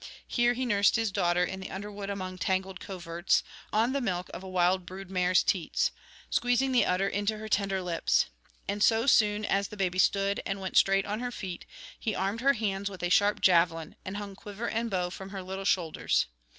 Here he nursed his daughter in the underwood among tangled coverts, on the milk of a wild brood mare's teats, squeezing the udder into her tender lips. And so soon as the baby stood and went straight on her feet, he armed her hands with a sharp javelin, and hung quiver and bow from her little shoulders.